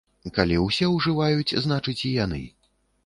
Калі усе ўжываюць, значыць і яны.